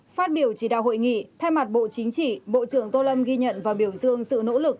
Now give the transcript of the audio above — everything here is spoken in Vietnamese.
phát biểu chỉ đạo hội nghị thay mặt bộ chính trị bộ trưởng tô lâm ghi nhận và biểu dương sự nỗ lực